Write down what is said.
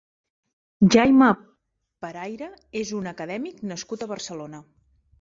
Jaime Peraire és un acadèmic nascut a Barcelona.